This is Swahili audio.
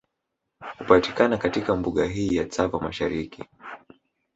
Hupatikana katika Mbuga hii ya Tsavo Mashariki